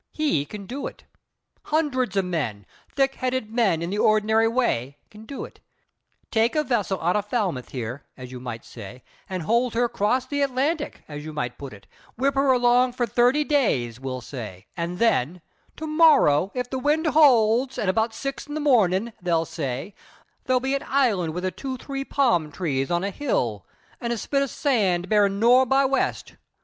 "He can do it; hundreds o' men thick headed men in the ord'nary way can do it; take a vessel out o' Falmouth here, as you might say, and hold her 'crost the Atlantic, as you might put it; whip her along for thirty days, we'll say; an' then, 'To morrow, if the wind holds, an' about six in the mornin',' they'll say, 'there'll be an island with a two three palm trees on a hill an' a spit o' sand bearing nor' by west.